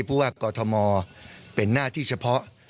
ผู้ว่ากอทมเป็นหน้าที่เฉพาะ